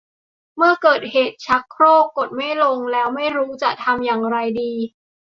เมื่อเกิดเหตุการณ์ชักโครกกดไม่ลงแล้วไม่รู้จะทำอย่างไรดี